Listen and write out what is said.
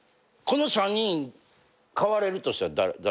この３人代われるとしたら。